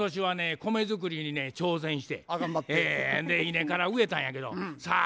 稲から植えたんやけどさあ